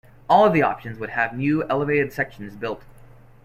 All of the options would have new elevated sections built.